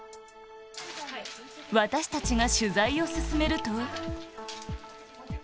私たちが取材を進めると。